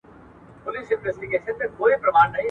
o دښمن څه وايي، چي زړه وايي.